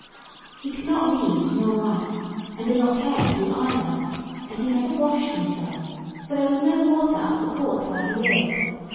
He could not read nor write, and did not care to do either; and he never washed himself, for there was no water up the court where he lived.